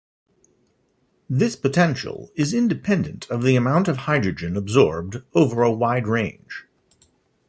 This potential is independent of the amount of hydrogen absorbed over a wide range.